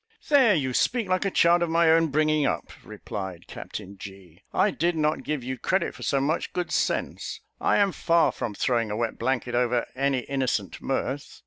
"There you speak like a child of my own bringing up," replied Captain G : "I did not give you credit for so much good sense. I am far from throwing a wet blanket over any innocent mirth.